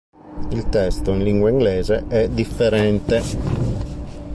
Il testo in lingua inglese è differente.